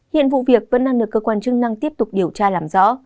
hiện vụ việc vẫn đang được cơ quan chức năng tiếp tục điều tra làm rõ